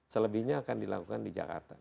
selebihnya akan dilakukan di jakarta